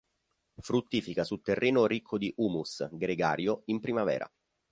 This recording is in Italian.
Fruttifica su terreno ricco di humus, gregario, in primavera.